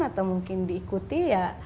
atau mungkin diikuti